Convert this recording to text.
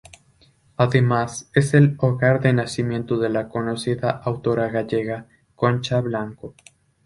Además, es el hogar de nacimiento de la conocida autora gallega Concha Blanco.